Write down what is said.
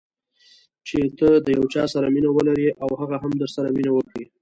چې ته د یو چا سره مینه ولرې او هغه هم درسره مینه وکړي.